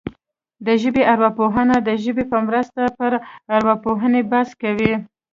د ژبې ارواپوهنه د ژبې په مرسته پر ارواپوهنه بحث کوي